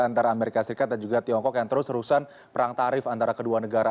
antara amerika serikat dan juga tiongkok yang terus rusan perang tarif antara kedua negara